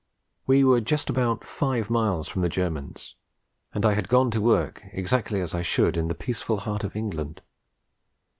We were just about five miles from the Germans, and I had gone to work exactly as I should in the peaceful heart of England.